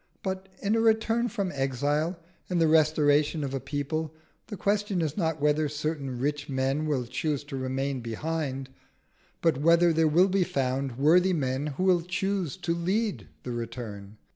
But in a return from exile, in the restoration of a people, the question is not whether certain rich men will choose to remain behind, but whether there will be found worthy men who will choose to lead the return.